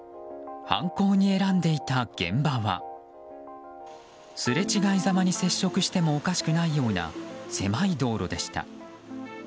犯行に選んでいた現場はすれ違いざまに接触してもおかしくないような狭い道路でした。